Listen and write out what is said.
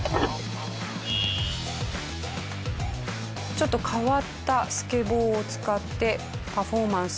ちょっと変わったスケボーを使ってパフォーマンスする男性。